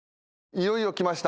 いよいよ来ました